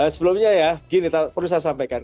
sebelumnya ya gini perlu saya sampaikan